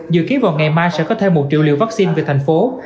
dự kiến vào ngày mai sẽ có thêm một triệu liều vaccine về thành phố